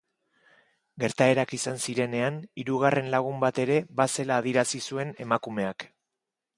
Gertaerak izan zirenean hirugarren lagun bat ere bazela adierazi zuen emakumeak.